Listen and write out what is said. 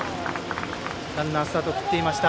ランナースタートを切っていました。